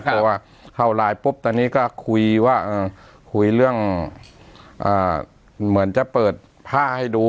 เพราะว่าเข้าไลน์ปุ๊บตอนนี้ก็คุยว่าคุยเรื่องเหมือนจะเปิดผ้าให้ดู